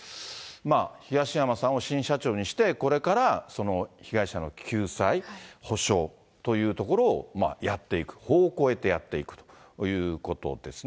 まあ、東山さんを新社長にして、これから被害者の救済、補償というところをやっていく、法を超えてやっていくということですね。